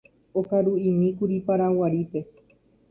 Okaruʼimíkuri Paraguarípe.